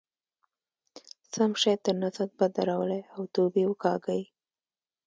سم شی تر نظر بد درولئ او توبې وکاږئ.